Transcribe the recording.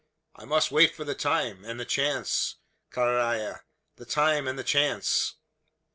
I must wait for the time, and the chance carrai, the time and the chance."